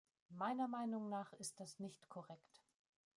Meiner Meinung nach ist das nicht korrekt.